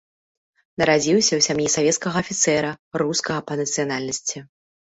Нарадзіўся ў сям'і савецкага афіцэра, рускага па нацыянальнасці.